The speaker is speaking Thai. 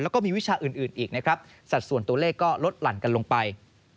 แล้วก็มีวิชาอื่นอีกนะครับสัดส่วนตัวเลขก็ลดหลั่นกันลงไป